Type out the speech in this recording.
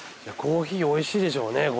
コーヒーおいしいでしょうね。